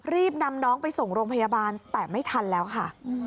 รีบนำน้องไปส่งโรงพยาบาลแต่ไม่ทันแล้วค่ะ